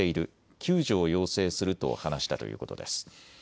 救助を要請すると話したということです。